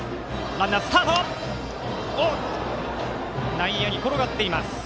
内野に転がっています。